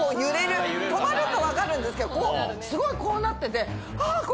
止まると分かるんですけどすごいこうなってて。